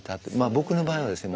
僕の場合はですね